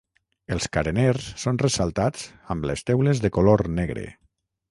Els careners són ressaltats amb les teules de color negre.